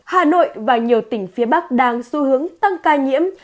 hà nội và nhiều tỉnh phía bắc đang xu hướng tăng ca nhiễm